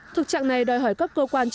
thực trạng này đòi hỏi các cơ quan